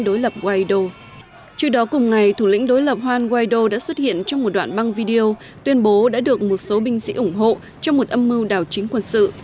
đối lập guaido trước đó cùng ngày thủ lĩnh đối lập juan guaido đã xuất hiện trong một đoạn băng video tuyên bố đã được một số binh sĩ ủng hộ trong một âm mưu đảo chính quân sự